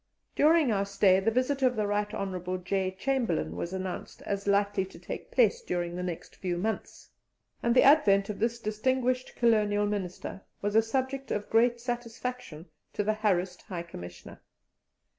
During our stay the visit of the Right Hon. J. Chamberlain was announced as likely to take place during the next few months, and the advent of this distinguished Colonial Minister was a subject of great satisfaction to the harassed High Commissioner.